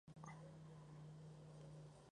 El tema central de Polibio es la conquista de Roma.